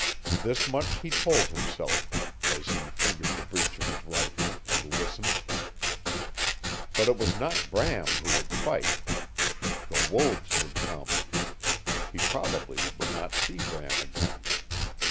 This, much he told himself, as he fingered the breech of his rifle, and listened. But it was not Bram who would fight. The wolves would come. He probably would not see Bram again.